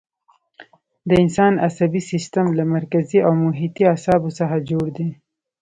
د انسان عصبي سیستم له مرکزي او محیطي اعصابو څخه جوړ دی.